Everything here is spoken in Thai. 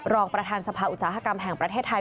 รองประธานสภาอุตสาหกรรมแห่งประเทศไทย